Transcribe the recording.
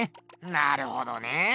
なるほどねえ。